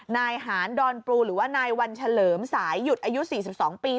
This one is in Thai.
นายหานดอนปลูหรือว่านายวันเฉลิมสายหยุดอายุ๔๒ปี